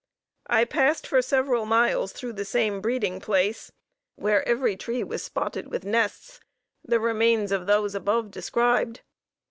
I passed for several miles through this same breeding place, where every tree was spotted with nests, the remains of those above described.